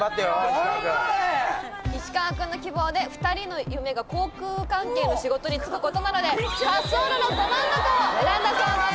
石川くん石川くんの希望で２人の夢が航空関係の仕事に就くことなので滑走路のど真ん中を選んだそうです